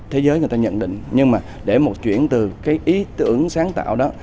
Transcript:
thế giới người ta nhận định nhưng mà để một chuyển từ cái ý tưởng sáng tạo đó